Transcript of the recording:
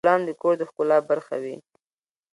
ګلان د کور د ښکلا برخه وي.